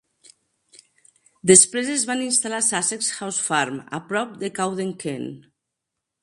Després es van instal·lar a Sussex House Farm a prop de Cowden, Kent.